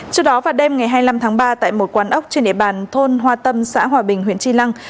trước đó vào đêm ngày hai mươi năm tháng ba tại một quán ốc trên địa bàn thôn hoa tâm xã hòa bình huyện tri lăng